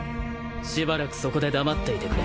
しばらくそこで黙っていてくれ。